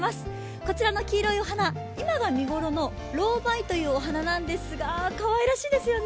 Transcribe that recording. こちらの黄色いお花、今が見頃のロウバイというお花なんですがかわいらしいですね。